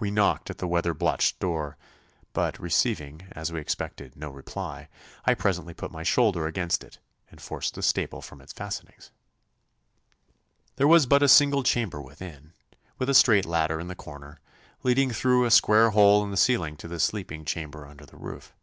We knocked at the weather blotched door, but receiving, as we expected, no reply, I presently put my shoulder against it and forced the staple from its fastenings. There was but a single chamber within, with a straight ladder in the corner, leading through a square hole in the ceiling to the sleeping chamber under the roof.